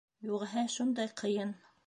Юғиһә, шундай ҡыйын...